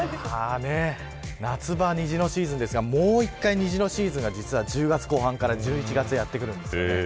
夏場、虹のシーズンですがもう１回虹のシーズンが１０月後半から１１月にやって来ます。